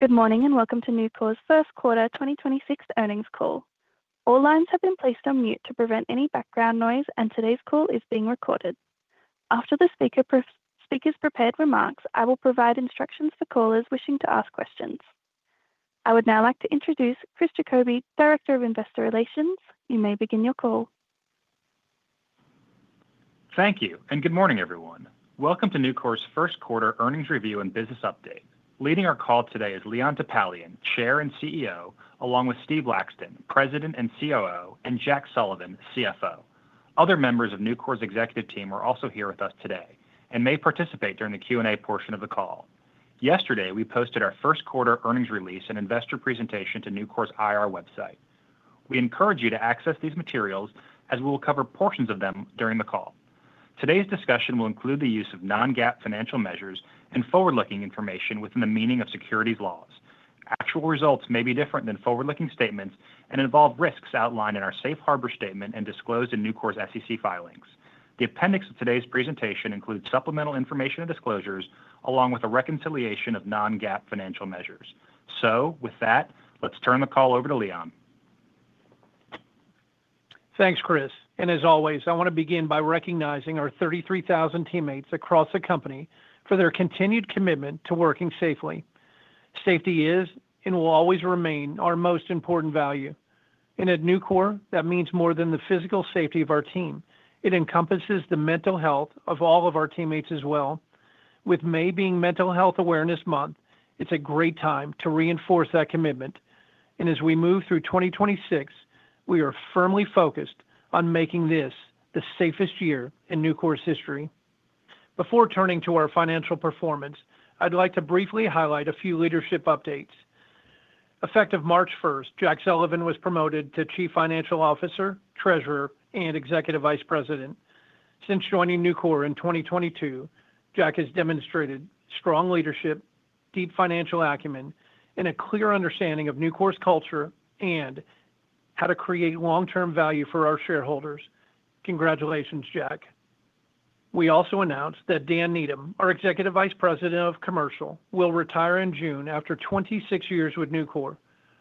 Good morning, and welcome to Nucor's first quarter 2026 earnings call. All lines have been placed on mute to prevent any background noise, and today's call is being recorded. After the speaker's prepared remarks, I will provide instructions for callers wishing to ask questions. I would now like to introduce Chris Jacobi, Director of Investor Relations. You may begin your call. Thank you. Good morning, everyone. Welcome to Nucor's first quarter earnings review and business update. Leading our call today is Leon Topalian, Chair and CEO, along with Steve Laxton, President and COO, and Jack Sullivan, CFO. Other members of Nucor's executive team are also here with us today and may participate during the Q&A portion of the call. Yesterday, we posted our first quarter earnings release and investor presentation to nucor.com. We encourage you to access these materials as we will cover portions of them during the call. Today's discussion will include the use of non-GAAP financial measures and forward-looking information within the meaning of securities laws. Actual results may be different than forward-looking statements and involve risks outlined in our safe harbor statement and disclosed in Nucor's SEC filings. The appendix of today's presentation includes supplemental information and disclosures along with a reconciliation of non-GAAP financial measures. With that, let's turn the call over to Leon. Thanks, Chris. As always, I want to begin by recognizing our 33,000 teammates across the company for their continued commitment to working safely. Safety is and will always remain our most important value. At Nucor, that means more than the physical safety of our team. It encompasses the mental health of all of our teammates as well. With May being Mental Health Awareness Month, it's a great time to reinforce that commitment. As we move through 2026, we are firmly focused on making this the safest year in Nucor's history. Before turning to our financial performance, I'd like to briefly highlight a few leadership updates. Effective March 1st, Jack Sullivan was promoted to Chief Financial Officer, Treasurer, and Executive Vice President. Since joining Nucor in 2022, Jack has demonstrated strong leadership, deep financial acumen, and a clear understanding of Nucor's culture and how to create long-term value for our shareholders. Congratulations, Jack. We also announced that Dan Needham, our Executive Vice President of Commercial, will retire in June after 26 years with Nucor.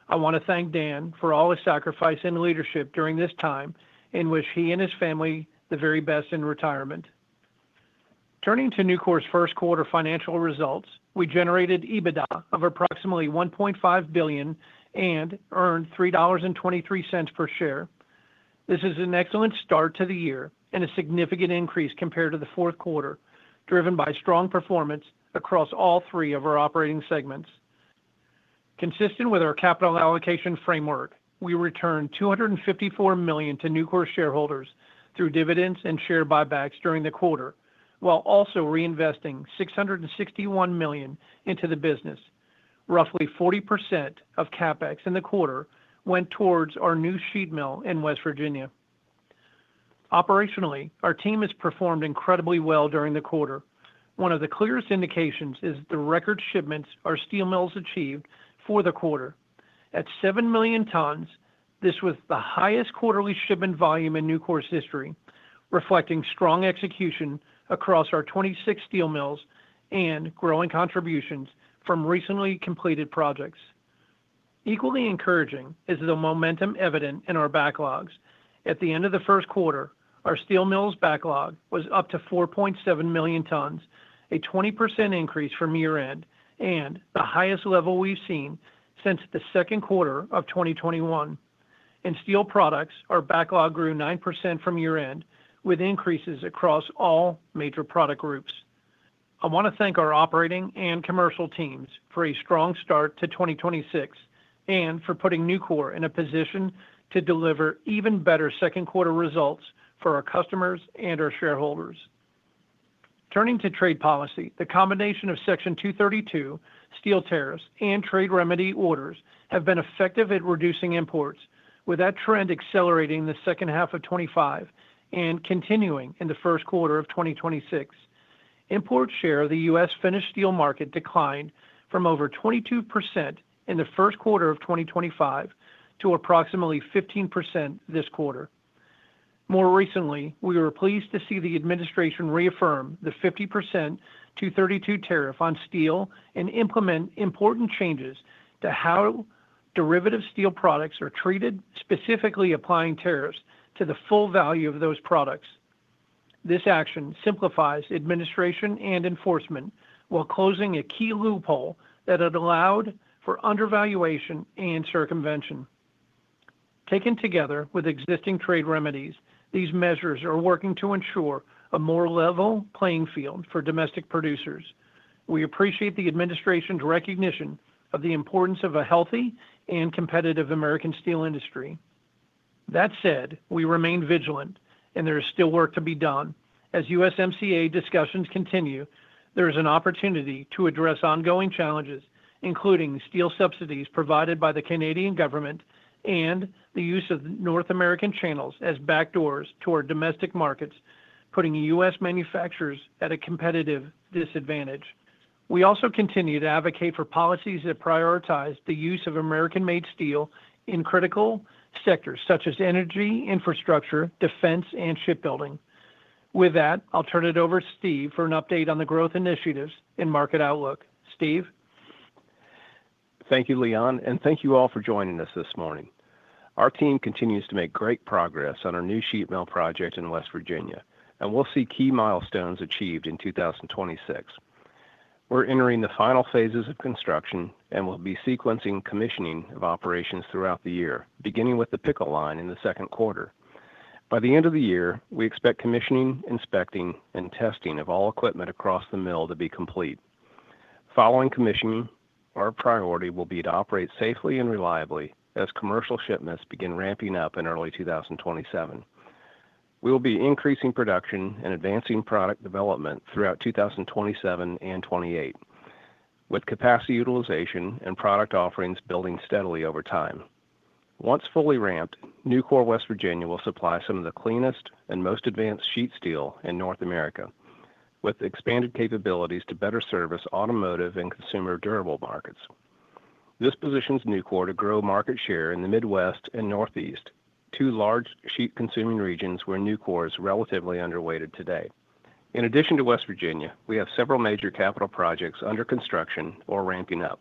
I want to thank Dan for all his sacrifice and leadership during this time and wish he and his family the very best in retirement. Turning to Nucor's first quarter financial results, we generated EBITDA of approximately $1.5 billion and earned $3.23 per share. This is an excellent start to the year and a significant increase compared to the fourth quarter, driven by strong performance across all three of our operating segments. Consistent with our capital allocation framework, we returned $254 million to Nucor shareholders through dividends and share buybacks during the quarter, while also reinvesting $661 million into the business. Roughly 40% of CapEx in the quarter went towards our new sheet mill in West Virginia. Operationally, our team has performed incredibly well during the quarter. One of the clearest indications is the record shipments our steel mills achieved for the quarter. At 7 million tons, this was the highest quarterly shipment volume in Nucor's history, reflecting strong execution across our 26 steel mills and growing contributions from recently completed projects. Equally encouraging is the momentum evident in our backlogs. At the end of the first quarter, our steel mills backlog was up to 4.7 million tons, a 20% increase from year-end and the highest level we've seen since the second quarter of 2021. In steel products, our backlog grew 9% from year-end with increases across all major product groups. I want to thank our operating and commercial teams for a strong start to 2026 and for putting Nucor in a position to deliver even better second quarter results for our customers and our shareholders. Turning to trade policy, the combination of Section 232 steel tariffs and trade remedy orders have been effective at reducing imports, with that trend accelerating in the second half of 2025 and continuing in the first quarter of 2026. Import share of the U.S. finished steel market declined from over 22% in the first quarter of 2025 to approximately 15% this quarter. More recently, we were pleased to see the Administration reaffirm the 50% Section 232 tariff on steel and implement important changes to how derivative steel products are treated, specifically applying tariffs to the full value of those products. This action simplifies administration and enforcement while closing a key loophole that had allowed for undervaluation and circumvention. Taken together with existing trade remedies, these measures are working to ensure a more level playing field for domestic producers. We appreciate the Administration's recognition of the importance of a healthy and competitive American steel industry. That said, we remain vigilant, and there is still work to be done. As USMCA discussions continue, there is an opportunity to address ongoing challenges, including steel subsidies provided by the Canadian government and the use of North American channels as backdoors toward domestic markets, putting U.S. manufacturers at a competitive disadvantage. We also continue to advocate for policies that prioritize the use of American-made steel in critical sectors such as energy, infrastructure, defense, and shipbuilding. With that, I'll turn it over to Steve for an update on the growth initiatives and market outlook. Steve? Thank you, Leon, and thank you all for joining us this morning. Our team continues to make great progress on our new sheet mill project in West Virginia, and we'll see key milestones achieved in 2026. We're entering the final phases of construction and we'll be sequencing commissioning of operations throughout the year, beginning with the pickle line in the second quarter. By the end of the year, we expect commissioning, inspecting, and testing of all equipment across the mill to be complete. Following commissioning, our priority will be to operate safely and reliably as commercial shipments begin ramping up in early 2027. We will be increasing production and advancing product development throughout 2027 and 2028, with capacity utilization and product offerings building steadily over time. Once fully ramped, Nucor Steel West Virginia will supply some of the cleanest and most advanced sheet steel in North America, with expanded capabilities to better service automotive and consumer durable markets. This positions Nucor to grow market share in the Midwest and Northeast, two large sheet consuming regions where Nucor is relatively underweighted today. In addition to West Virginia, we have several major capital projects under construction or ramping up,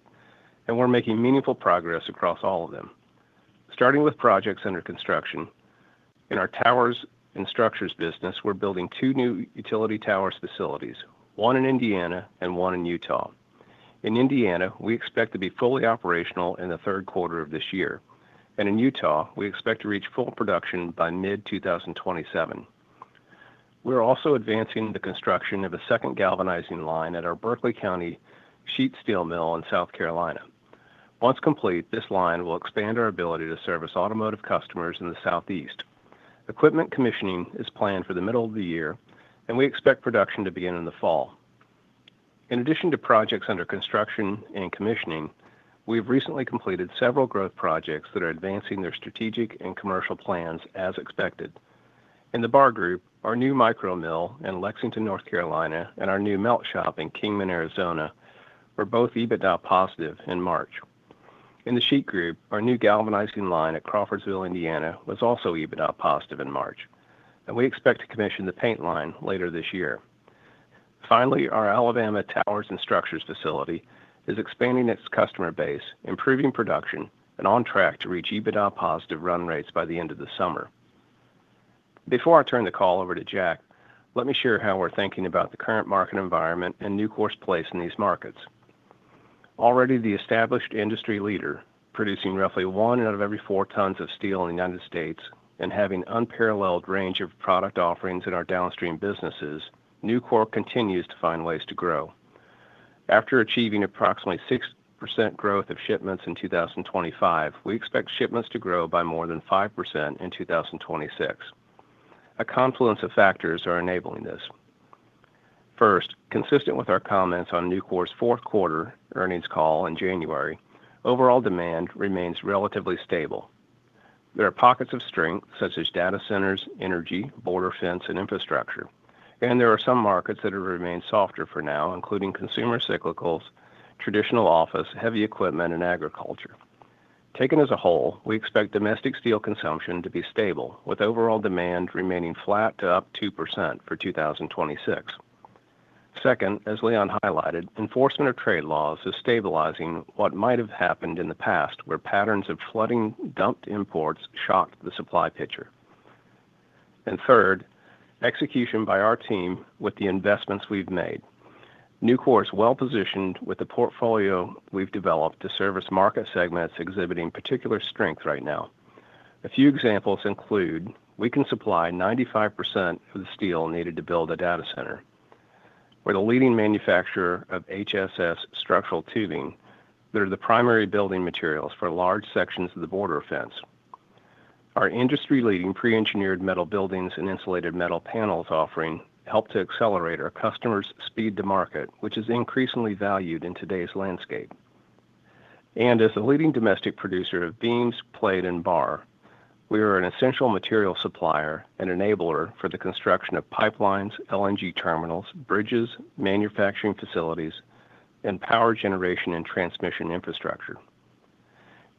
and we're making meaningful progress across all of them. Starting with projects under construction, in our towers and structures business, we're building two new utility towers facilities, one in Indiana and one in Utah. In Indiana, we expect to be fully operational in the third quarter of this year. In Utah, we expect to reach full production by mid-2027. We are also advancing the construction of a second galvanizing line at our Berkeley County sheet steel mill in South Carolina. Once complete, this line will expand our ability to service automotive customers in the Southeast. Equipment commissioning is planned for the middle of the year, and we expect production to begin in the fall. In addition to projects under construction and commissioning, we have recently completed several growth projects that are advancing their strategic and commercial plans as expected. In the bar group, our new micro mill in Lexington, North Carolina, and our new melt shop in Kingman, Arizona, were both EBITDA positive in March. In the sheet group, our new galvanizing line at Crawfordsville, Indiana, was also EBITDA positive in March, and we expect to commission the paint line later this year. Our Alabama towers and structures facility is expanding its customer base, improving production, and on track to reach EBITDA positive run rates by the end of the summer. Before I turn the call over to Jack, let me share how we're thinking about the current market environment and Nucor's place in these markets. Already the established industry leader, producing roughly 1 ton out of every 4 tons of steel in the U.S. and having unparalleled range of product offerings in our downstream businesses, Nucor continues to find ways to grow. After achieving approximately 6% growth of shipments in 2025, we expect shipments to grow by more than 5% in 2026. A confluence of factors are enabling this. Consistent with our comments on Nucor's fourth quarter earnings call in January, overall demand remains relatively stable. There are pockets of strength such as data centers, energy, border fence, and infrastructure. There are some markets that have remained softer for now, including consumer cyclicals, traditional office, heavy equipment, and agriculture. Taken as a whole, we expect domestic steel consumption to be stable, with overall demand remaining flat to up 2% for 2026. Second, as Leon highlighted, enforcement of trade laws is stabilizing what might have happened in the past where patterns of flooding dumped imports shocked the supply picture. Third, execution by our team with the investments we've made. Nucor is well-positioned with the portfolio we've developed to service market segments exhibiting particular strength right now. A few examples include we can supply 95% of the steel needed to build a data center. We're the leading manufacturer of HSS structural tubing that are the primary building materials for large sections of the border fence. Our industry-leading pre-engineered metal buildings and insulated metal panels offering help to accelerate our customers' speed to market, which is increasingly valued in today's landscape. As the leading domestic producer of beams, plate, and bar, we are an essential material supplier and enabler for the construction of pipelines, LNG terminals, bridges, manufacturing facilities, and power generation and transmission infrastructure.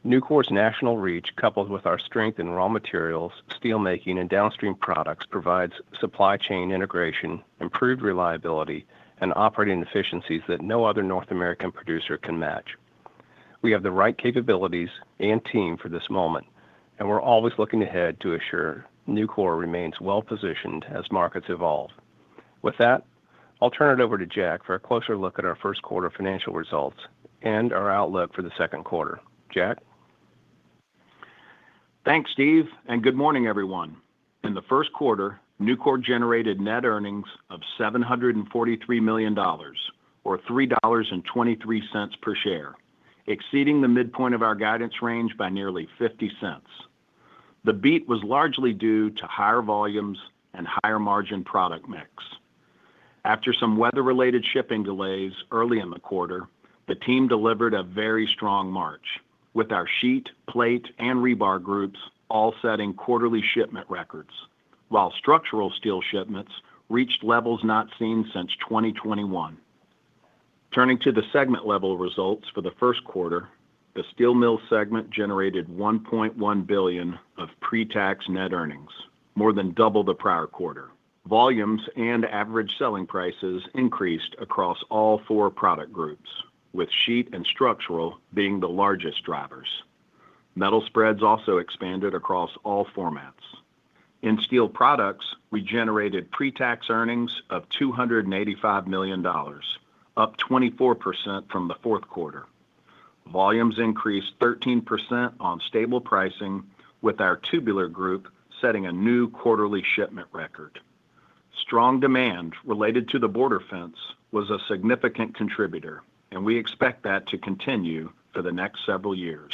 Nucor's national reach, coupled with our strength in raw materials, steelmaking, and downstream products, provides supply chain integration, improved reliability, and operating efficiencies that no other North American producer can match. We have the right capabilities and team for this moment, and we're always looking ahead to assure Nucor remains well-positioned as markets evolve. With that, I'll turn it over to Jack for a closer look at our first quarter financial results and our outlook for the second quarter. Jack? Thanks, Steve. Good morning, everyone. In the first quarter, Nucor generated net earnings of $743 million or $3.23 per share, exceeding the midpoint of our guidance range by nearly $0.50. The beat was largely due to higher volumes and higher margin product mix. After some weather-related shipping delays early in the quarter, the team delivered a very strong March with our sheet, plate, and rebar groups all setting quarterly shipment records, while structural steel shipments reached levels not seen since 2021. Turning to the segment level results for the first quarter, the steel mill segment generated $1.1 billion of pre-tax net earnings, more than double the prior quarter. Volumes and average selling prices increased across all four product groups, with sheet and structural being the largest drivers. Metal spreads also expanded across all formats. In steel products, we generated pre-tax earnings of $285 million, up 24% from the fourth quarter. Volumes increased 13% on stable pricing with our Tubular Group setting a new quarterly shipment record. Strong demand related to the border fence was a significant contributor, and we expect that to continue for the next several years.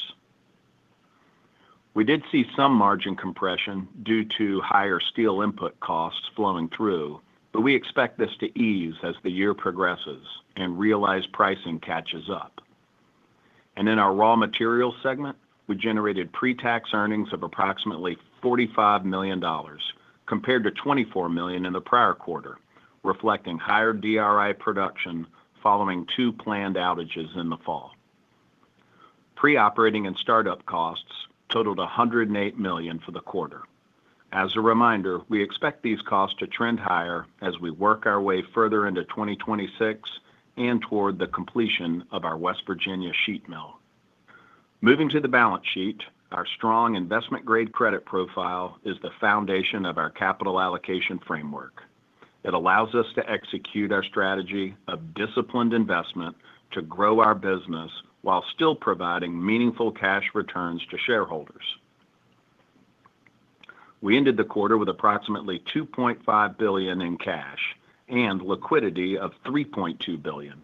We did see some margin compression due to higher steel input costs flowing through, but we expect this to ease as the year progresses and realized pricing catches up. In our raw material segment, we generated pre-tax earnings of approximately $45 million compared to $24 million in the prior quarter, reflecting higher DRI production following two planned outages in the fall. Pre-operating and startup costs totaled $108 million for the quarter. As a reminder, we expect these costs to trend higher as we work our way further into 2026 and toward the completion of our West Virginia sheet mill. Moving to the balance sheet, our strong investment-grade credit profile is the foundation of our capital allocation framework. It allows us to execute our strategy of disciplined investment to grow our business while still providing meaningful cash returns to shareholders. We ended the quarter with approximately $2.5 billion in cash and liquidity of $3.2 billion.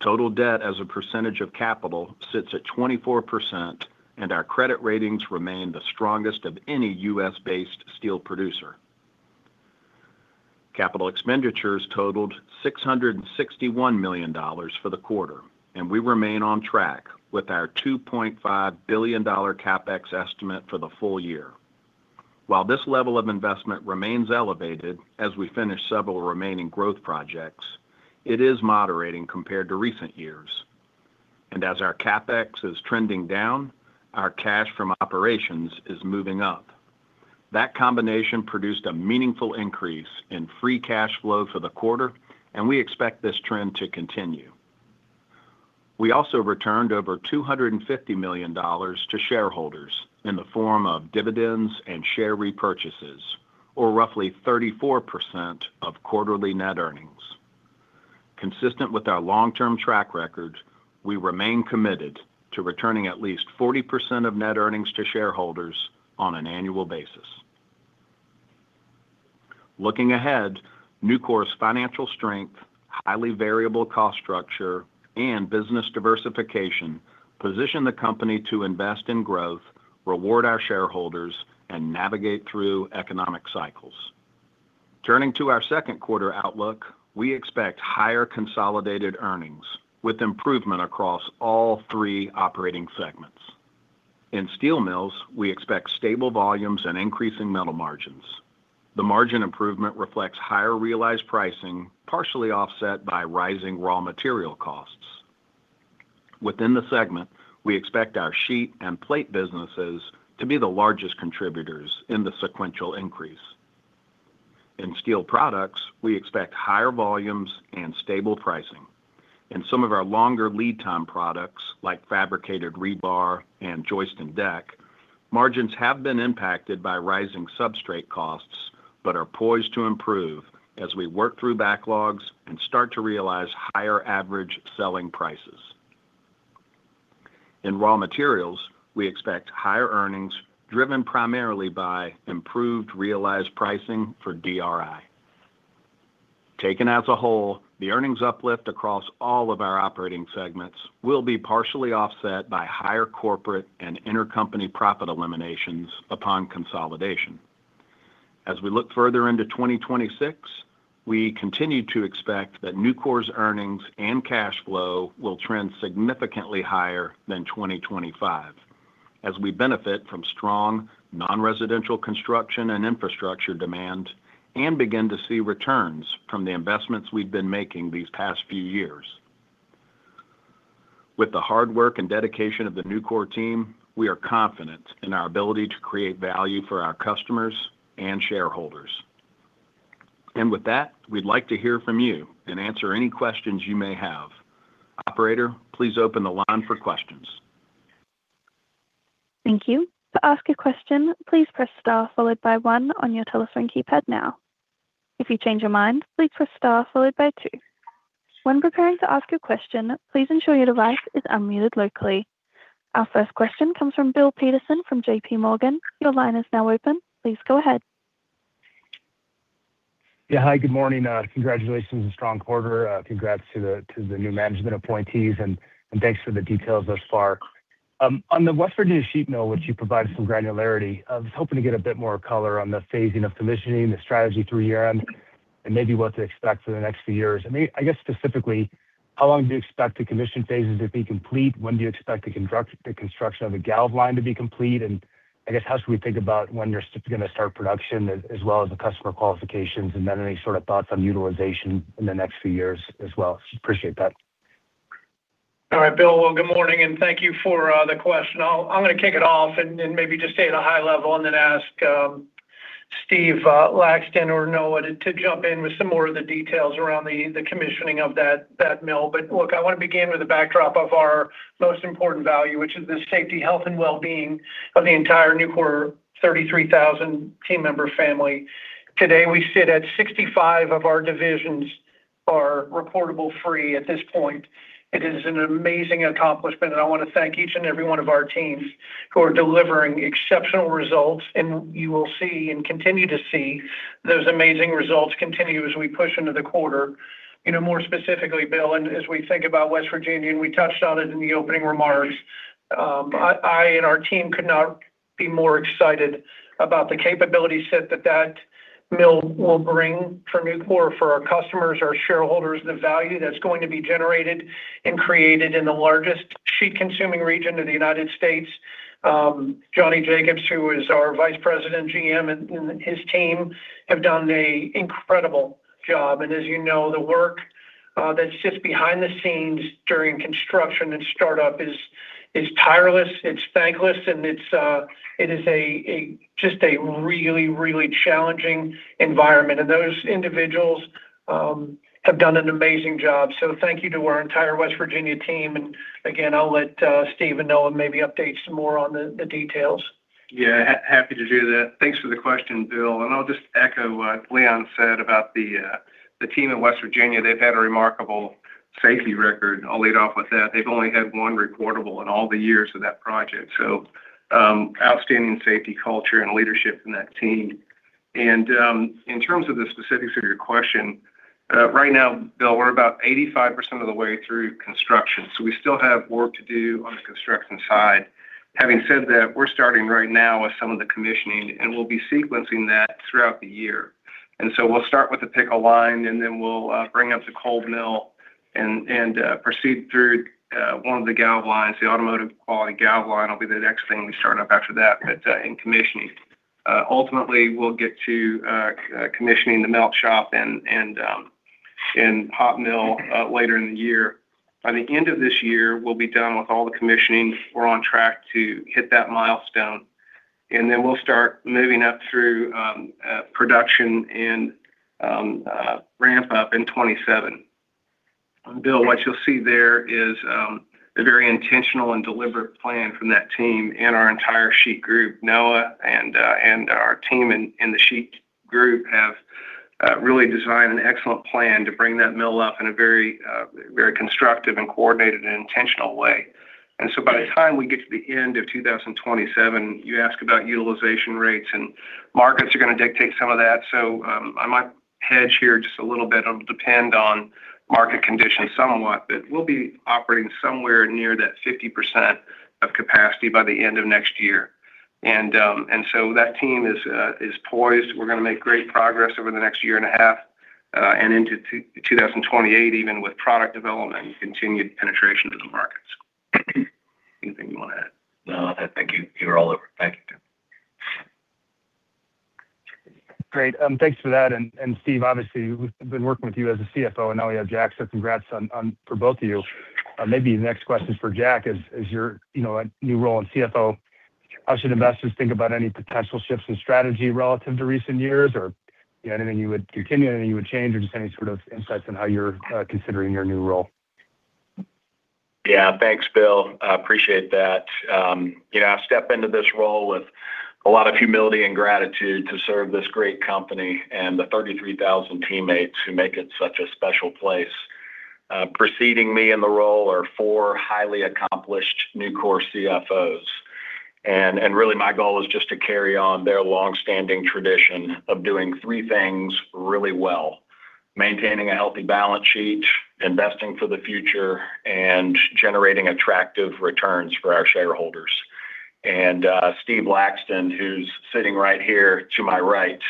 Total debt as a percentage of capital sits at 24%, and our credit ratings remain the strongest of any U.S.-based steel producer. Capital expenditures totaled $661 million for the quarter, and we remain on track with our $2.5 billion CapEx estimate for the full year. While this level of investment remains elevated as we finish several remaining growth projects, it is moderating compared to recent years. As our CapEx is trending down, our cash from operations is moving up. That combination produced a meaningful increase in free cash flow for the quarter, and we expect this trend to continue. We also returned over $250 million to shareholders in the form of dividends and share repurchases, or roughly 34% of quarterly net earnings. Consistent with our long-term track record, we remain committed to returning at least 40% of net earnings to shareholders on an annual basis. Looking ahead, Nucor's financial strength, highly variable cost structure, and business diversification position the company to invest in growth, reward our shareholders, and navigate through economic cycles. Turning to our second quarter outlook, we expect higher consolidated earnings with improvement across all three operating segments. In steel mills, we expect stable volumes and increasing metal margins. The margin improvement reflects higher realized pricing, partially offset by rising raw material costs. Within the segment, we expect our sheet and plate businesses to be the largest contributors in the sequential increase. In steel products, we expect higher volumes and stable pricing. In some of our longer lead time products, like fabricated rebar and joist and deck, margins have been impacted by rising substrate costs, but are poised to improve as we work through backlogs and start to realize higher average selling prices. In raw materials, we expect higher earnings driven primarily by improved realized pricing for DRI. Taken as a whole, the earnings uplift across all of our operating segments will be partially offset by higher corporate and intercompany profit eliminations upon consolidation. As we look further into 2026, we continue to expect that Nucor's earnings and cash flow will trend significantly higher than 2025 as we benefit from strong non-residential construction and infrastructure demand and begin to see returns from the investments we've been making these past few years. With the hard work and dedication of the Nucor team, we are confident in our ability to create value for our customers and shareholders. With that, we'd like to hear from you and answer any questions you may have. Operator, please open the line for questions. Thank you. Our first question comes from Bill Peterson from JPMorgan. Your line is now open. Please go ahead. Yeah, hi, good morning. Congratulations on a strong quarter. Congrats to the new management appointees, and thanks for the details thus far. On the West Virginia sheet mill, which you provided some granularity, I was hoping to get a bit more color on the phasing of commissioning, the strategy through year-end, and maybe what to expect for the next few years. I guess specifically, how long do you expect the commission phases to be complete? When do you expect the construction of the galv line to be complete? I guess how should we think about when you're gonna start production as well as the customer qualifications? Then any sort of thoughts on utilization in the next few years as well. Appreciate that. All right, Bill. Well, good morning, and thank you for the question. I'll, I'm gonna kick it off and maybe just stay at a high level and then ask Steve Laxton or Noah to jump in with some more of the details around the commissioning of that mill. Look, I wanna begin with a backdrop of our most important value, which is the safety, health, and well-being of the entire Nucor 33,000 team member family. Today, we sit at 65 of our divisions are reportable free at this point. It is an amazing accomplishment, and I wanna thank each and every one of our teams who are delivering exceptional results. You will see and continue to see those amazing results continue as we push into the quarter. You know, more specifically, Bill, as we think about West Virginia, as we touched on it in the opening remarks, I and our team could not be more excited about the capability set that that mill will bring for Nucor, for our customers, our shareholders, the value that's going to be generated and created in the largest sheet-consuming region of the U.S. Johnny Jacobs, who is our Vice President, GM, and his team have done a incredible job. As you know, the work that sits behind the scenes during construction and startup is tireless, it's thankless, and it's a just a really, really challenging environment. Those individuals have done an amazing job. Thank you to our entire West Virginia team. Again, I'll let Steve and Noah maybe update some more on the details. Happy to do that. Thanks for the question, Bill. I'll just echo what Leon said about the team in West Virginia. They've had a remarkable safety record. I'll lead off with that. They've only had one reportable in all the years of that project, so outstanding safety culture and leadership in that team. In terms of the specifics of your question, right now, Bill, we're about 85% of the way through construction, so we still have work to do on the construction side. Having said that, we're starting right now with some of the commissioning, and we'll be sequencing that throughout the year. We'll start with the pickle line, then we'll bring up the cold mill and proceed through one of the gal lines. The automotive quality gal line will be the next thing we start up after that, in commissioning. Ultimately, we'll get to commissioning the melt shop and hot mill later in the year. By the end of this year, we'll be done with all the commissioning. We're on track to hit that milestone. Then we'll start moving up through production and ramp up in 2027. Bill, what you'll see there is a very intentional and deliberate plan from that team and our entire sheet group. Noah and our team in the sheet group have really designed an excellent plan to bring that mill up in a very constructive and coordinated and intentional way. By the time we get to the end of 2027, you ask about utilization rates, and markets are gonna dictate some of that. I might hedge here just a little bit. It'll depend on market conditions somewhat, but we'll be operating somewhere near that 50% of capacity by the end of next year. That team is poised. We're gonna make great progress over the next year and a half, and into 2028 even with product development and continued penetration to the markets. Anything you wanna add? No. I think you were all over it. Thank you. Great. Thanks for that. And Steve, obviously, we've been working with you as a CFO, and now we have Jack, congrats on for both of you. Maybe the next question for Jack is your, you know, new role in CFO, how should investors think about any potential shifts in strategy relative to recent years? You know, anything you would continue, anything you would change, or just any sort of insights on how you're considering your new role? Yeah. Thanks, Bill. I appreciate that. You know, I step into this role with a lot of humility and gratitude to serve this great company and the 33,000 teammates who make it such a special place. Preceding me in the role are four highly accomplished Nucor CFOs. Really my goal is just to carry on their long-standing tradition of doing three things really well: maintaining a healthy balance sheet, investing for the future, and generating attractive returns for our shareholders. Steve Laxton, who's sitting right here to my right,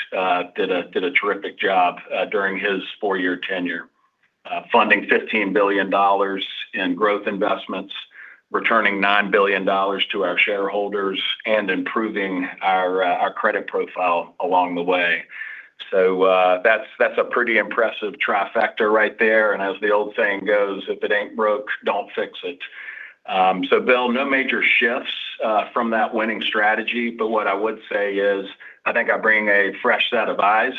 did a terrific job during his four-year tenure. Funding $15 billion in growth investments, returning $9 billion to our shareholders, and improving our credit profile along the way. That's a pretty impressive trifecta right there. As the old saying goes, "If it ain't broke, don't fix it." Bill, no major shifts from that winning strategy. What I would say is, I think I bring a fresh set of eyes,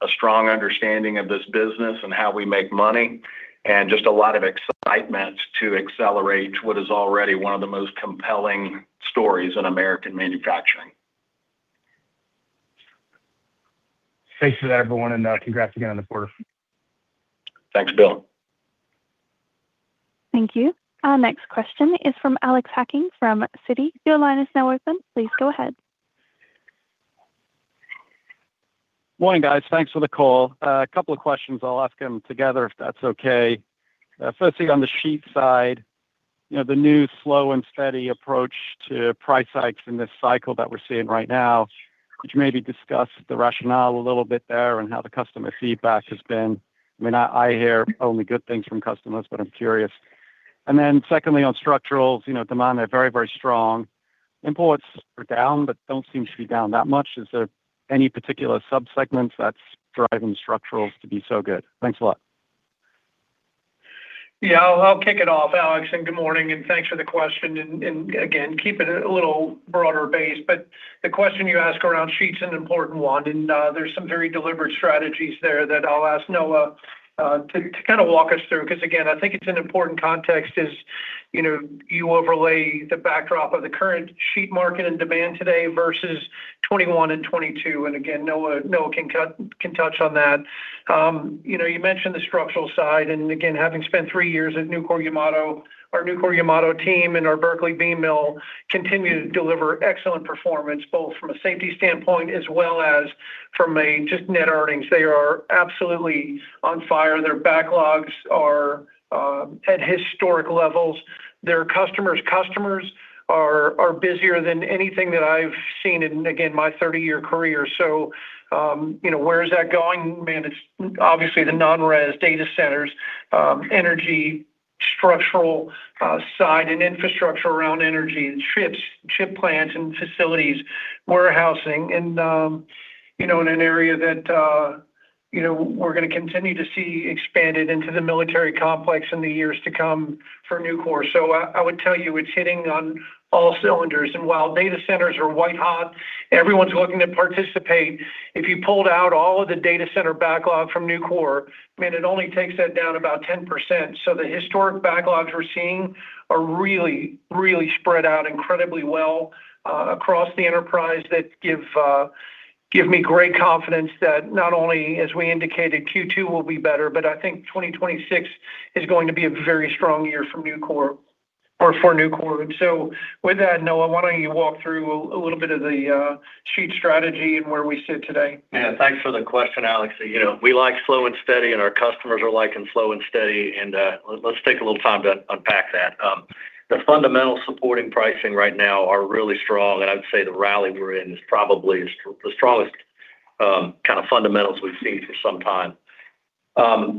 a strong understanding of this business and how we make money, and just a lot of excitement to accelerate what is already one of the most compelling stories in American manufacturing. Thanks for that, everyone, and, congrats again on the quarter. Thanks, Bill. Thank you. Our next question is from Alex Hacking from Citi. Your line is now open. Please go ahead. Morning, guys. Thanks for the call. A couple of questions. I'll ask them together if that's okay. Firstly, on the sheet side, you know, the new slow and steady approach to price hikes in this cycle that we're seeing right now, could you maybe discuss the rationale a little bit there and how the customer feedback has been? I mean, I hear only good things from customers, but I'm curious. Secondly, on structurals, you know, demand are very, very strong. Imports are down, but don't seem to be down that much. Is there any particular sub-segments that's driving structurals to be so good? Thanks a lot. Yeah, I'll kick it off, Alex. Good morning, and thanks for the question. Again, keep it a little broader base. The question you ask around sheet's an important one, and there's some very deliberate strategies there that I'll ask Noah to kind of walk us through. Cause again, I think it's an important context is, you overlay the backdrop of the current sheet market and demand today versus 2021 and 2022. Again, Noah can touch on that. You mentioned the structural side. Again, having spent three years at Nucor-Yamato, our Nucor-Yamato team and our Berkeley beam mill continue to deliver excellent performance, both from a safety standpoint as well as from a just net earnings. They are absolutely on fire. Their backlogs are at historic levels. Their customers are busier than anything that I've seen in, again, my 30-year career. You know, where is that going? It's obviously the non-res data centers, energy, structural side and infrastructure around energy and ships, ship plants and facilities, warehousing. You know, in an area that, you know, we're gonna continue to see expanded into the military complex in the years to come for Nucor. I would tell you it's hitting on all cylinders. While data centers are white hot, everyone's looking to participate. If you pulled out all of the data center backlog from Nucor, it only takes that down about 10%. The historic backlogs we're seeing are really, really spread out incredibly well across the enterprise that give me great confidence that not only, as we indicated, Q2 will be better, but I think 2026 is going to be a very strong year from Nucor or for Nucor. With that, Noah, why don't you walk through a little bit of the sheet strategy and where we sit today? Thanks for the question, Alex. You know, we like slow and steady, and our customers are liking slow and steady, and let's take a little time to unpack that. The fundamental supporting pricing right now are really strong, and I would say the rally we're in is probably the strongest kind of fundamentals we've seen for some time.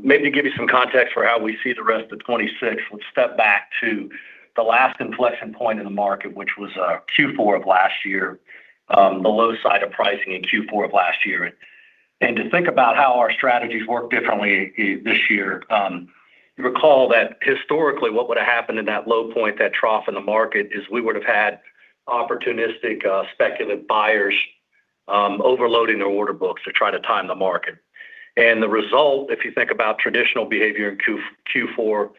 Maybe to give you some context for how we see the rest of 2026, let's step back to the last inflection point in the market, which was Q4 of last year. The low side of pricing in Q4 of last year. To think about how our strategies work differently this year, you recall that historically, what would have happened in that low point, that trough in the market, is we would have had opportunistic, speculative buyers, overloading their order books to try to time the market. The result, if you think about traditional behavior in Q4,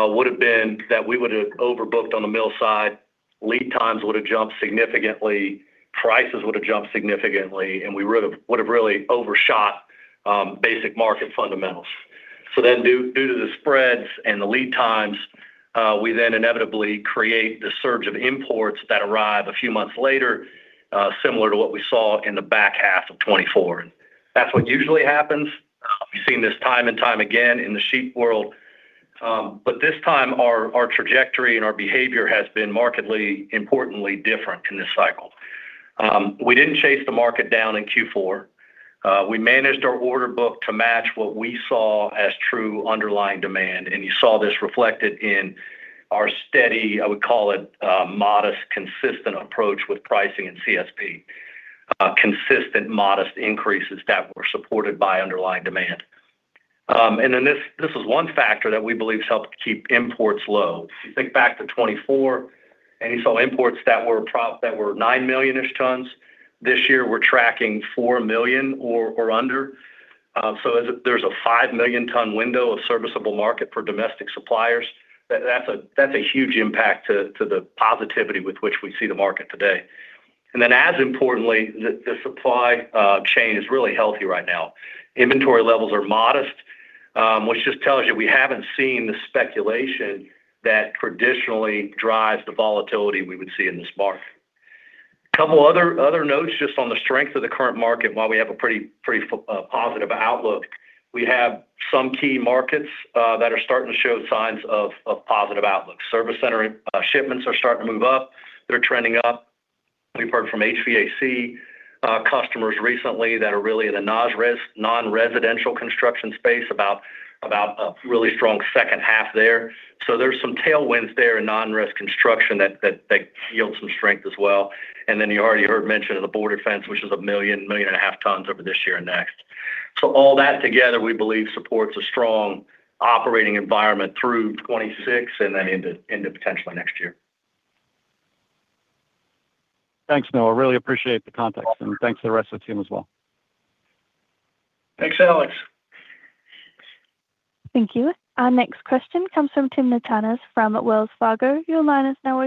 would have been that we would have overbooked on the mill side, lead times would have jumped significantly, prices would have jumped significantly, and we would have really overshot basic market fundamentals. Due to the spreads and the lead times, we then inevitably create the surge of imports that arrive a few months later, similar to what we saw in the back half of 2024. That's what usually happens. We've seen this time and time again in the sheet world. This time, our trajectory and our behavior has been markedly, importantly different in this cycle. We didn't chase the market down in Q4. We managed our order book to match what we saw as true underlying demand, and you saw this reflected in our steady, I would call it, modest, consistent approach with pricing and CSP. Consistent, modest increases that were supported by underlying demand. Then this is one factor that we believe's helped keep imports low. If you think back to 2024, and you saw imports that were 9 million-ish tons. This year, we're tracking 4 million or under. There's a 5 million ton window of serviceable market for domestic suppliers. That's a huge impact to the positivity with which we see the market today. As importantly, the supply chain is really healthy right now. Inventory levels are modest, which just tells you we haven't seen the speculation that traditionally drives the volatility we would see in this market. Couple other notes just on the strength of the current market, while we have a pretty positive outlook. We have some key markets that are starting to show signs of positive outlook. Service center shipments are starting to move up. They're trending up. We've heard from HVAC customers recently that are really in a non-residential construction space about a really strong second half there. There's some tailwinds there in non-res construction that yield some strength as well. You already heard mention of the border fence, which is 1.5 million tons over this year and next. All that together, we believe supports a strong operating environment through 2026 and then into potentially next year. Thanks, Noah. Really appreciate the context. Thanks to the rest of the team as well. Thanks, Alex. Thank you. Our next question comes from Timna Tanners from Wells Fargo. Yeah,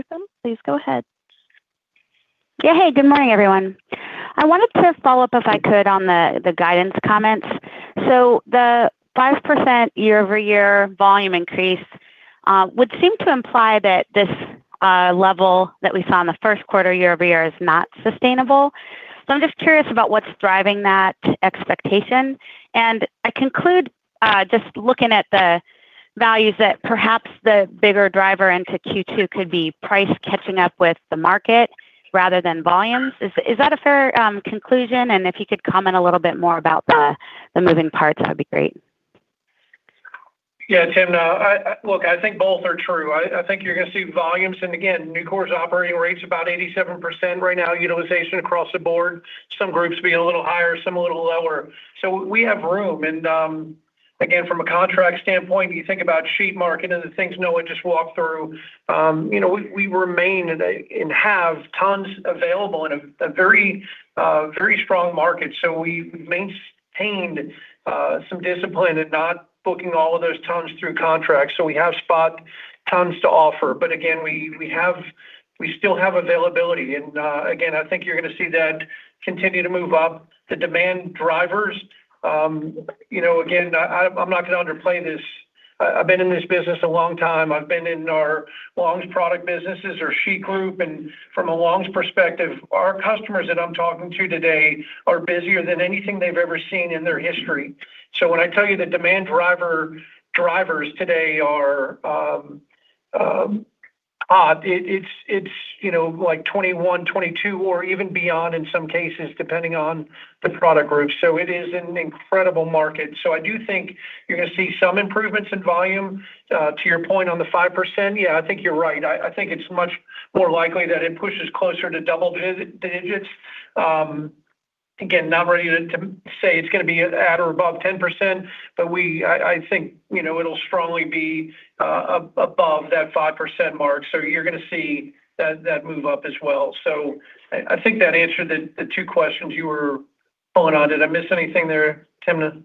hey, good morning, everyone. I wanted to follow up, if I could, on the guidance comments. The 5% year-over-year volume increase would seem to imply that this level that we saw in the first quarter year-over-year is not sustainable. I'm just curious about what's driving that expectation. I conclude, just looking at the values that perhaps the bigger driver into Q2 could be price catching up with the market rather than volumes. Is that a fair conclusion? If you could comment a little bit more about the moving parts, that'd be great. Timna, look, I think both are true. I think you're gonna see volumes, again, Nucor's operating rates about 87% right now, utilization across the board. Some groups being a little higher, some a little lower. We have room. Again, from a contract standpoint, you think about sheet market and the things Noah just walked through, you know, we remain and have tons available in a very, very strong market. We've maintained, some discipline in not booking all of those tons through contracts. We have spot tons to offer. Again, we still have availability. Again, I think you're gonna see that continue to move up. The demand drivers, you know, again, I'm not gonna underplay this. I've been in this business a long time. I've been in our longs product businesses or sheet group. From a longs perspective, our customers that I'm talking to today are busier than anything they've ever seen in their history. When I tell you the demand driver, drivers today are odd, it's, you know, like 21, 22 or even beyond in some cases, depending on the product group. It is an incredible market. I do think you're gonna see some improvements in volume. To your point on the 5%, yeah, I think you're right. I think it's much more likely that it pushes closer to double digits. Again, not ready to say it's gonna be at or above 10%, but I think, you know, it'll strongly be above that 5% mark. You're gonna see that move up as well. I think that answered the two questions you were following on. Did I miss anything there, Timna?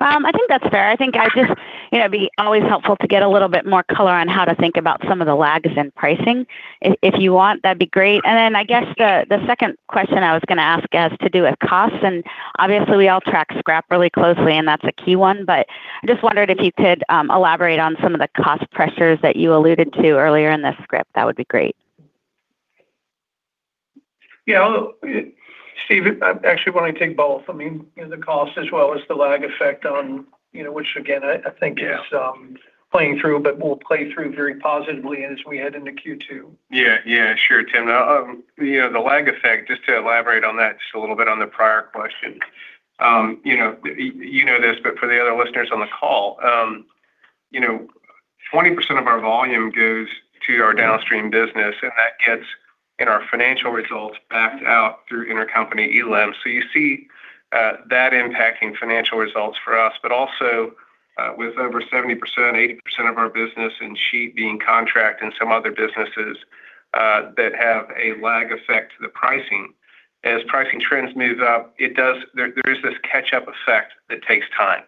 I think that's fair. I think I'd just, you know, be always helpful to get a little bit more color on how to think about some of the lags in pricing. If, if you want, that'd be great. I guess the second question I was gonna ask has to do with cost. Obviously, we all track scrap really closely, and that's a key one. I just wondered if you could elaborate on some of the cost pressures that you alluded to earlier in the script. That would be great. Yeah. Steve, actually why don't we take both? I mean, you know, the cost as well as the lag effect on, you know. Yeah Is playing through, but will play through very positively as we head into Q2. Yeah. Yeah, sure, Timna. You know, the lag effect, just to elaborate on that just a little bit on the prior question. You know, you know this, for the other listeners on the call, you know, 20% of our volume goes to our downstream business, and that gets in our financial results backed out through intercompany elim. You see that impacting financial results for us. Also, with over 70%, 80% of our business in sheet being contract and some other businesses that have a lag effect to the pricing. As pricing trends move up, there is this catch-up effect that takes time.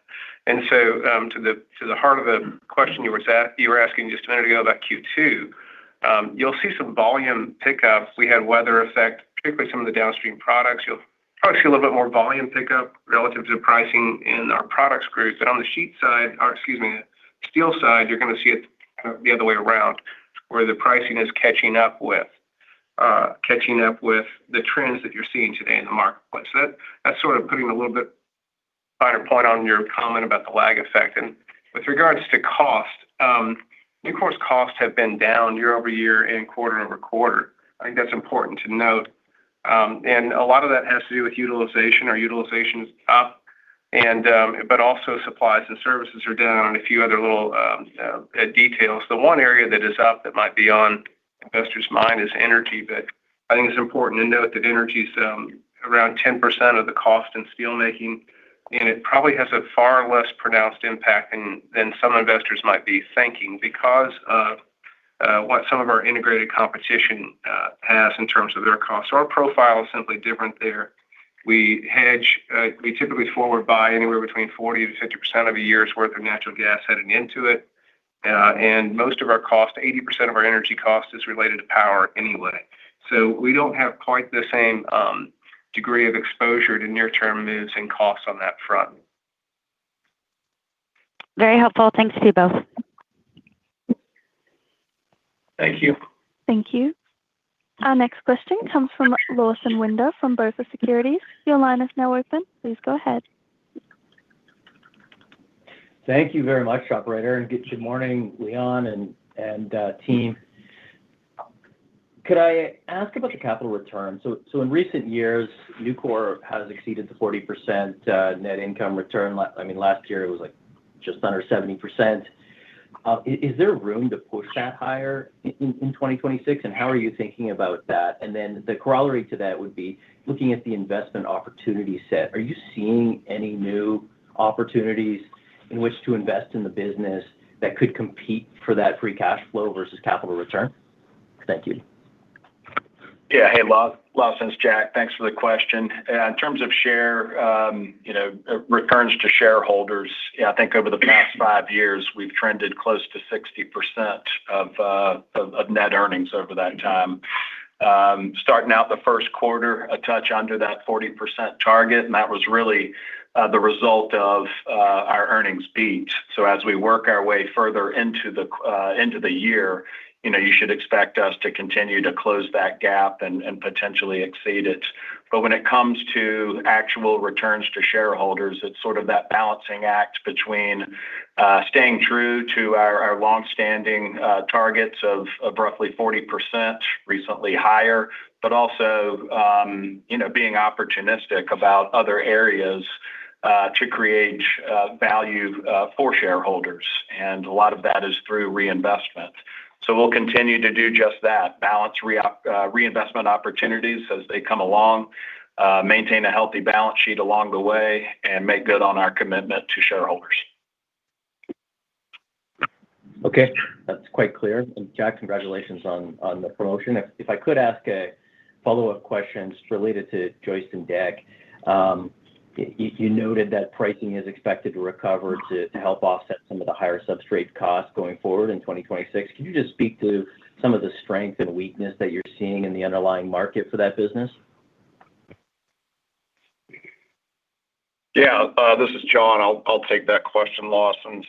To the heart of the question you were asking just a minute ago about Q2, you'll see some volume pickup. We had weather effect, particularly some of the downstream products. You'll probably see a little bit more volume pickup relative to pricing in our products group. On the sheet side, or excuse me, steel side, you're gonna see it the other way around, where the pricing is catching up with catching up with the trends that you're seeing today in the marketplace. That's sort of putting a little bit finer point on your comment about the lag effect. With regards to cost, Nucor's costs have been down year-over-year and quarter-over-quarter. I think that's important to note. A lot of that has to do with utilization. Our utilization is up and, but also supplies and services are down, a few other little details. The one area that is up that might be on investors' mind is energy. I think it's important to note that energy is around 10% of the cost in steel making, and it probably has a far less pronounced impact than some investors might be thinking because of what some of our integrated competition has in terms of their costs. Our profile is simply different there. We hedge, we typically forward buy anywhere between 40%-50% of a year's worth of natural gas heading into it. Most of our cost, 80% of our energy cost is related to power anyway. We don't have quite the same degree of exposure to near term moves and costs on that front. Very helpful. Thanks to you both. Thank you. Thank you. Our next question comes from Lawson Winder from BofA Securities. Your line is now open. Please go ahead. Thank you very much, operator. Good morning, Leon and team. Could I ask about your capital return? In recent years, Nucor has exceeded the 40% net income return. I mean, last year, it was, like, just under 70%. Is there room to push that higher in 2026, and how are you thinking about that? The corollary to that would be looking at the investment opportunity set. Are you seeing any new opportunities in which to invest in the business that could compete for that free cash flow versus capital return? Thank you. Hey, Lawson, it's Jack. Thanks for the question. In terms of share, you know, returns to shareholders, yeah, I think over the past five years, we've trended close to 60% of net earnings over that time. Starting out the first quarter, a touch under that 40% target, and that was really the result of our earnings beat. As we work our way further into the year, you know, you should expect us to continue to close that gap and potentially exceed it. When it comes to actual returns to shareholders, it's sort of that balancing act between staying true to our longstanding targets of roughly 40%, recently higher. Also, you know, being opportunistic about other areas to create value for shareholders. A lot of that is through reinvestment. We'll continue to do just that, balance reinvestment opportunities as they come along, maintain a healthy balance sheet along the way, and make good on our commitment to shareholders. Okay. That's quite clear. Jack, congratulations on the promotion. If I could ask a follow-up question just related to joist and deck. You noted that pricing is expected to recover to help offset some of the higher substrate costs going forward in 2026. Can you just speak to some of the strength and weakness that you're seeing in the underlying market for that business? This is John. I'll take that question, Lawson.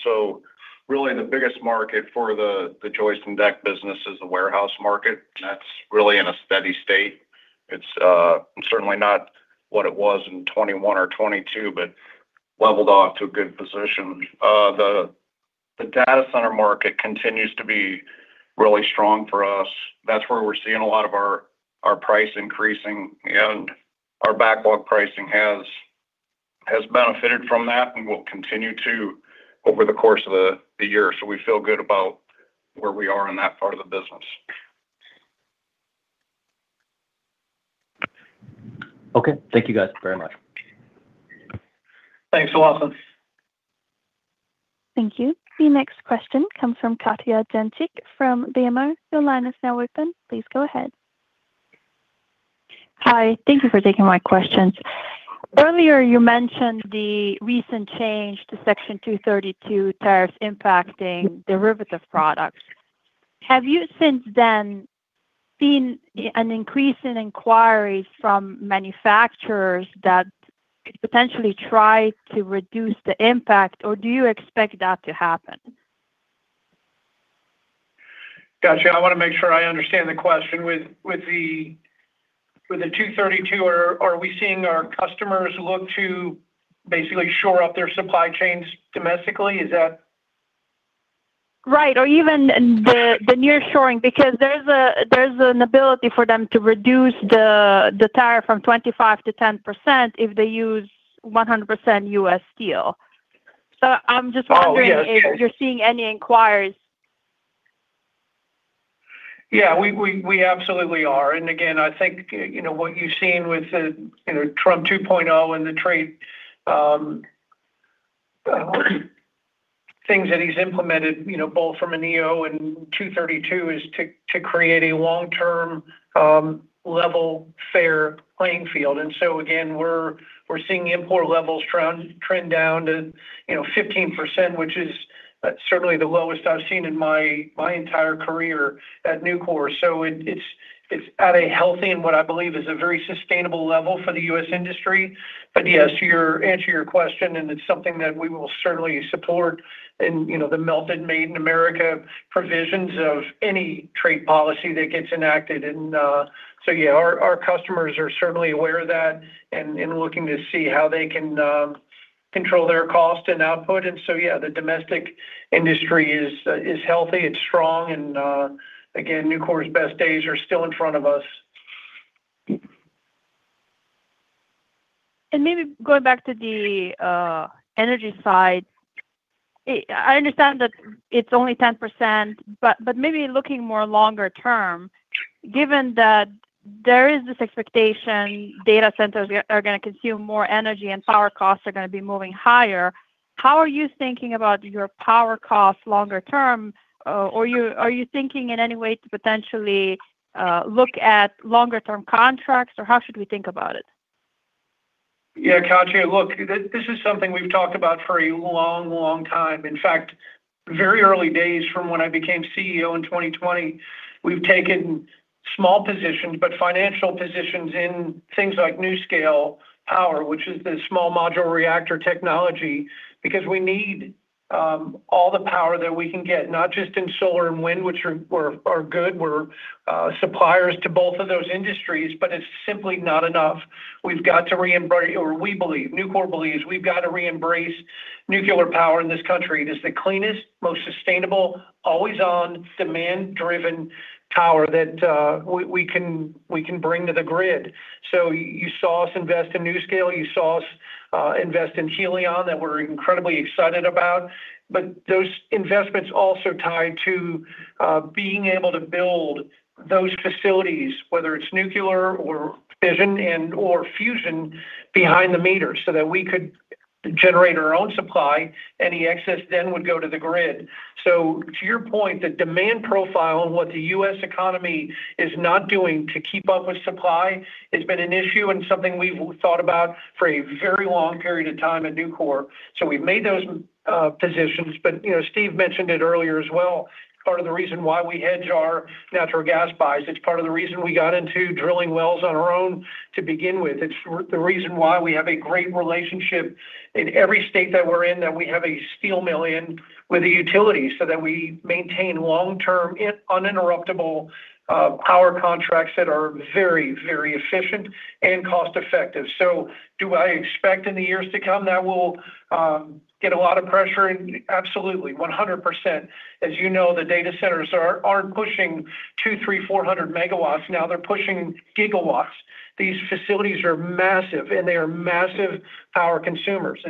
Really the biggest market for the joist and deck business is the warehouse market, and that's really in a steady state. It's certainly not what it was in 2021 or 2022, but leveled off to a good position. The, the data center market continues to be really strong for us. That's where we're seeing a lot of our price increasing, and our backlog pricing has benefited from that and will continue to over the course of the year. We feel good about where we are in that part of the business. Okay. Thank you guys very much. Thanks, Lawson. Thank you. The next question comes from Katja Jancic from BMO. Your line is now open. Please go ahead. Hi. Thank you for taking my questions. Earlier you mentioned the recent change to Section 232 tariffs impacting derivative products. Have you since then seen an increase in inquiries from manufacturers that could potentially try to reduce the impact, or do you expect that to happen? Katja. I wanna make sure I understand the question. With the Section 232, are we seeing our customers look to basically shore up their supply chains domestically? Is that? Right. Or even the near shoring, because there's an ability for them to reduce the tariff from 25% to 10% if they use 100% U.S. Steel. I'm just wondering- Oh, yes. if you're seeing any inquiries? Yeah, we absolutely are. Again, I think, you know, what you've seen with the, you know, Trump 2.0 and the trade, things that he's implemented, you know, both from a NEO and Section 232 is to create a long-term, level fair playing field. Again, we're seeing import levels trend down to, you know, 15%, which is certainly the lowest I've seen in my entire career at Nucor. It's at a healthy and what I believe is a very sustainable level for the U.S. industry. Yes, to answer your question, and it's something that we will certainly support and, you know, the melt and made in America provisions of any trade policy that gets enacted. Yeah, our customers are certainly aware of that and looking to see how they can control their cost and output. Yeah, the domestic industry is healthy, it's strong, and again, Nucor's best days are still in front of us. Maybe going back to the energy side. I understand that it's only 10%, but maybe looking more longer term, given that there is this expectation data centers are gonna consume more energy and power costs are gonna be moving higher, how are you thinking about your power cost longer term? Are you thinking in any way to potentially look at longer term contracts, or how should we think about it? Katja, look, this is something we've talked about for a long, long time. In fact, very early days from when I became CEO in 2020, we've taken small positions, but financial positions in things like NuScale Power, which is the small module reactor technology, because we need all the power that we can get, not just in solar and wind, which are good. We're suppliers to both of those industries, but it's simply not enough. Nucor believes we've got to re-embrace nuclear power in this country. It is the cleanest, most sustainable, always on, demand-driven power that we can bring to the grid. You saw us invest in NuScale. You saw us invest in Helion that we're incredibly excited about. Those investments also tied to being able to build those facilities, whether it's nuclear or fission and/or fusion behind the meter, so that we could generate our own supply. Any excess would go to the grid. To your point, the demand profile and what the U.S. economy is not doing to keep up with supply has been an issue and something we've thought about for a very long period of time at Nucor. We've made those positions. You know, Steve mentioned it earlier as well, part of the reason why we hedge our natural gas buys. It's part of the reason we got into drilling wells on our own to begin with. The reason why we have a great relationship in every state that we're in, that we have a steel mill in with the utilities so that we maintain long-term uninterruptible power contracts that are very, very efficient and cost effective. Do I expect in the years to come that we'll get a lot of pressure? Absolutely, 100%. As you know, the data centers are, aren't pushing 200 MW, 300 MW, 400 MW now. They're pushing gigawatts. These facilities are massive, and they are massive power consumers.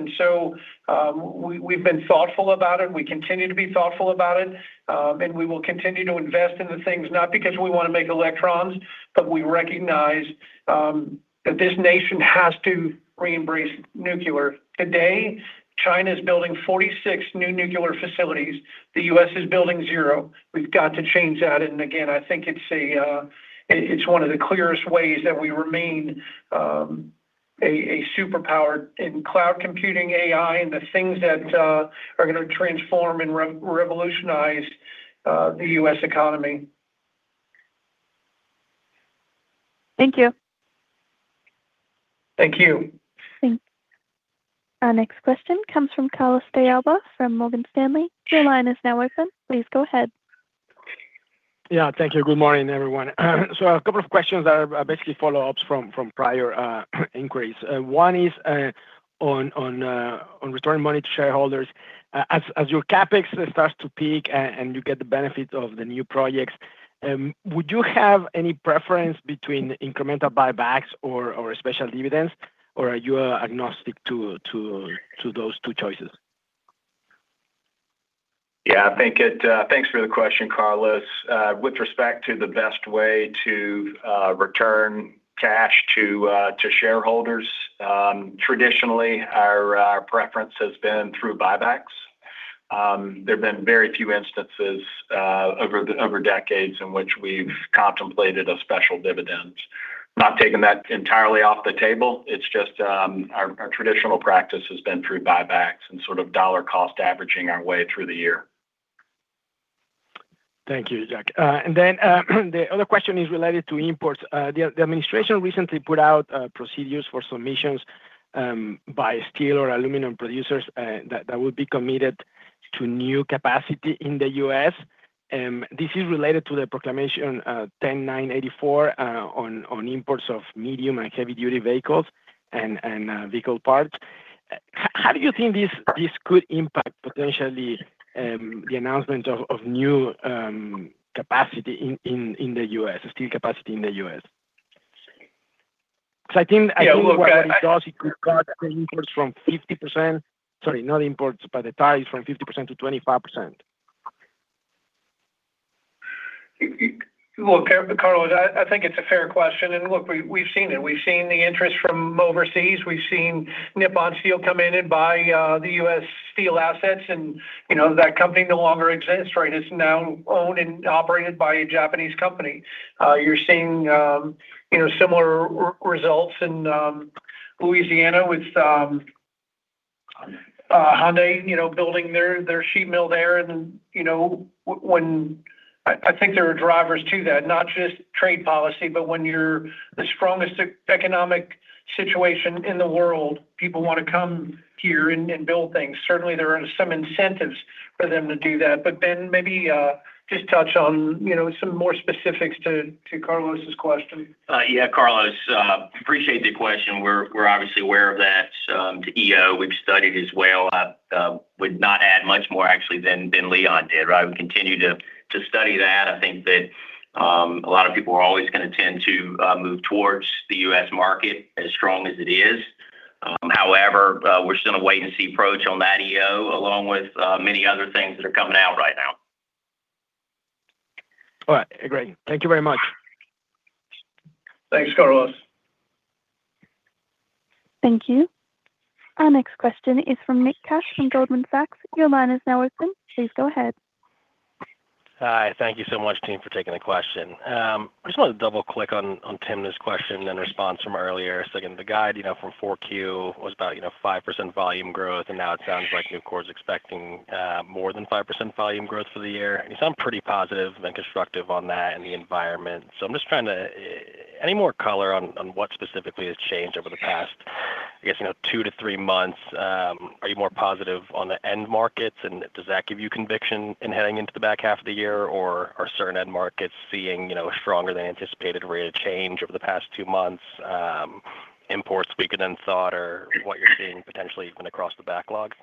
We've been thoughtful about it, we continue to be thoughtful about it, and we will continue to invest in the things, not because we wanna make electrons, but we recognize that this nation has to re-embrace nuclear. Today, China's building 46 new nuclear facilities. The U.S. is building zero. We've got to change that. Again, I think it's one of the clearest ways that we remain a superpower in cloud computing, AI, and the things that are gonna transform and re-revolutionize the U.S. economy. Thank you. Thank you. Thank you. Our next question comes from Carlos de Alba from Morgan Stanley. Your line is now open. Please go ahead. Yeah. Thank you. Good morning, everyone. A couple of questions that are basically follow-ups from prior inquiries. One is on returning money to shareholders. As your CapEx starts to peak and you get the benefit of the new projects, would you have any preference between incremental buybacks or special dividends? Or are you agnostic to those two choices? I think thanks for the question, Carlos. With respect to the best way to return cash to shareholders, traditionally our preference has been through buybacks. There've been very few instances over decades in which we've contemplated a special dividend. Not taking that entirely off the table, it's just, our traditional practice has been through buybacks and sort of dollar cost averaging our way through the year. Thank you, Jack. The other question is related to imports. The administration recently put out procedures for submissions by steel or aluminum producers that would be committed to new capacity in the U.S. This is related to the Proclamation 10984 on imports of medium and heavy-duty vehicles and vehicle parts. How do you think this could impact potentially the announcement of new capacity in the U.S.? Steel capacity in the U.S.? Yeah. Look, I think what it does, it could cut the imports from 50%. Sorry, not imports, but the tariffs from 50% to 25%. Well, Carlos, I think it's a fair question. Look, we've seen it. We've seen the interest from overseas. We've seen Nippon Steel come in and buy the U.S. Steel assets, and, you know, that company no longer exists, right? It's now owned and operated by a Japanese company. You're seeing, you know, similar results in Louisiana with Hyundai, you know, building their sheet metal there. You know, I think there are drivers to that, not just trade policy, but when you're the strongest economic situation in the world, people wanna come here and build things. Certainly, there are some incentives for them to do that. Behr, maybe just touch on, you know, some more specifics to Carlos's question. Yeah, Carlos, appreciate the question. We're obviously aware of that, the EO. We've studied as well. I would not add much more actually than Leon did, right? We continue to study that. I think that a lot of people are always gonna tend to move towards the U.S. market as strong as it is. However, we're still in a wait and see approach on that EO, along with many other things that are coming out right now. All right. Great. Thank you very much. Thanks, Carlos. Thank you. Our next question is from Nick Cash from Goldman Sachs. Your line is now open. Please go ahead. Hi. Thank you so much, team, for taking the question. I just wanted to double-click on Timna this question and response from earlier. Again, the guide, you know, from 4Q was about, you know, 5% volume growth, and now it sounds like Nucor's expecting more than 5% volume growth for the year. You sound pretty positive and constructive on that and the environment. I'm just trying to any more color on what specifically has changed over the past, I guess, you know, two-three months? Are you more positive on the end markets? Does that give you conviction in heading into the back half of the year? Are certain end markets seeing, you know, stronger than anticipated rate of change over the past two months, imports weaker than thought, or what you're seeing potentially even across the backlog?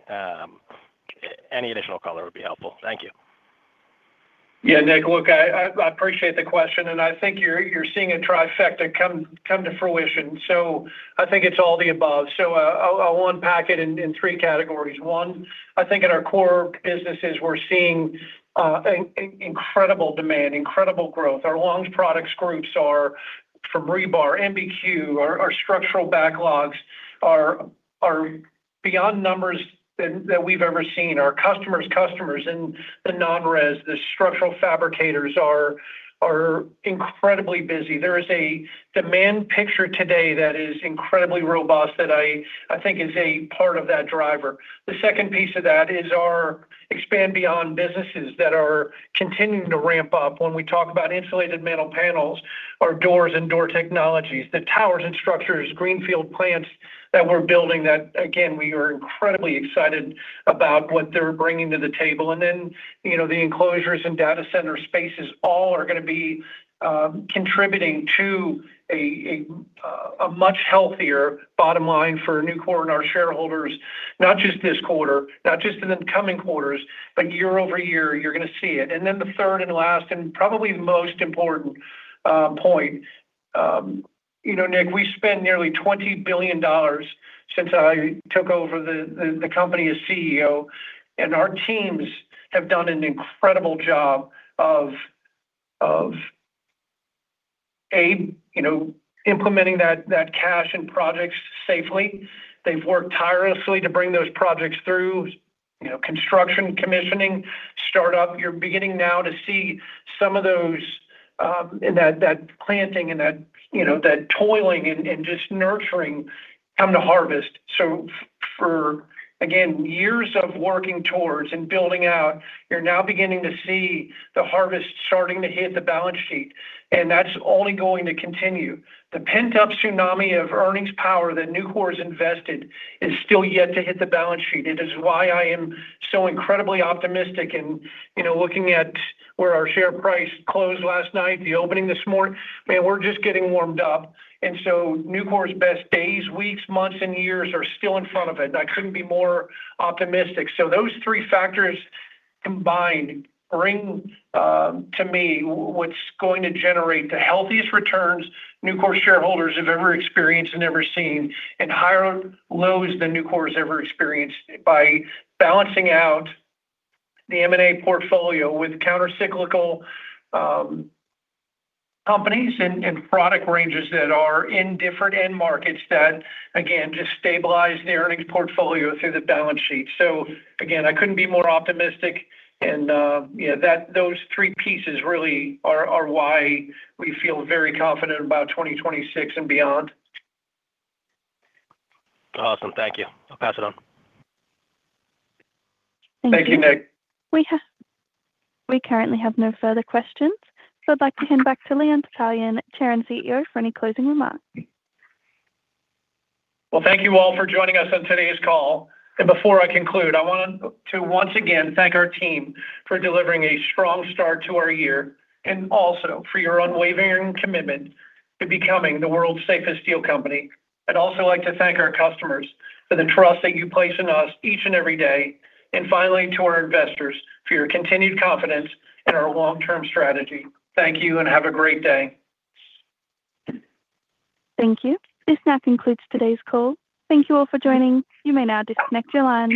Any additional color would be helpful. Thank you. Yeah. Nick, look, I appreciate the question. I think you're seeing a trifecta come to fruition. I think it's all the above. I'll unpack it in three categories. One, I think in our core businesses, we're seeing an incredible demand, incredible growth. Our longs products groups are from rebar, MBQ. Our structural backlogs are beyond numbers that we've ever seen. Our customers in the non-res, the structural fabricators are incredibly busy. There is a demand picture today that is incredibly robust that I think is a part of that driver. The second piece of that is our expand beyond businesses that are continuing to ramp up. When we talk about insulated metal panels or doors and door technologies, the towers and structures, greenfield plants that we're building, that again, we are incredibly excited about what they're bringing to the table. You know, the enclosures and data center spaces all are gonna be contributing to a much healthier bottom line for Nucor and our shareholders, not just this quarter, not just in the coming quarters, but year-over-year, you're gonna see it. The third and last, and probably the most important point. You know, Nick, we spent nearly $20 billion since I took over the company as CEO, and our teams have done an incredible job of, A, you know, implementing that cash and projects safely. They've worked tirelessly to bring those projects through, you know, construction, commissioning, startup. You're beginning now to see some of those, and that planting and that, you know, that toiling and just nurturing come to harvest. For, again, years of working towards and building out, you're now beginning to see the harvest starting to hit the balance sheet, and that's only going to continue. The pent-up tsunami of earnings power that Nucor's invested is still yet to hit the balance sheet. It is why I am so incredibly optimistic and, you know, looking at where our share price closed last night, the opening this morning, man, we're just getting warmed up. Nucor's best days, weeks, months, and years are still in front of it, and I couldn't be more optimistic. Those three factors combined bring to me what's going to generate the healthiest returns Nucor shareholders have ever experienced and ever seen and higher lows than Nucor has ever experienced by balancing out the M&A portfolio with countercyclical companies and product ranges that are in different end markets that, again, just stabilize the earnings portfolio through the balance sheet. Again, I couldn't be more optimistic and, you know, those three pieces really are why we feel very confident about 2026 and beyond. Awesome. Thank you. I'll pass it on. Thank you, Nick. Thank you. We currently have no further questions. I'd like to hand back to Leon Topalian, Chair and CEO, for any closing remarks. Well, thank you all for joining us on today's call. Before I conclude, I want to once again thank our team for delivering a strong start to our year and also for your unwavering commitment to becoming the world's safest steel company. I'd also like to thank our customers for the trust that you place in us each and every day. Finally, to our investors, for your continued confidence in our long-term strategy. Thank you, and have a great day. Thank you. This now concludes today's call. Thank you all for joining. You may now disconnect your lines.